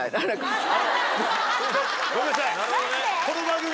ごめんなさい。